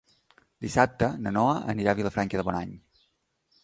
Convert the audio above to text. Dissabte na Noa anirà a Vilafranca de Bonany.